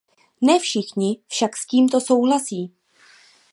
Ne všichni však s tímto souhlasí.